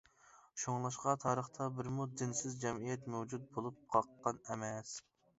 شۇڭلاشقا تارىختا بىرمۇ دىنسىز جەمئىيەت مەۋجۇت بولۇپ باققان ئەمەس.